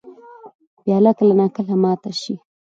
پیاله کله نا کله ماته شي.